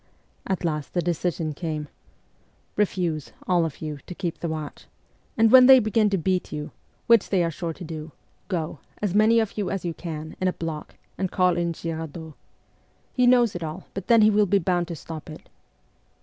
At last the decision came :' Refuse, all of you, to keep the watch ; and when they begin to beat you, which they are sure to 92 MEMOIRS OF A REVOLUTIONIST do, go, as many of you as you can, in a block, and call in Girardot. He knows it all, but then he will be bound to stop it.'